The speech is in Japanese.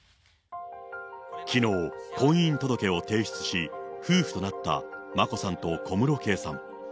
きのう、婚姻届を提出し、夫婦となった眞子さんと小室圭さん。